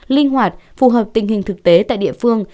linh hoạt phù hợp tình hình thực tế tại địa phương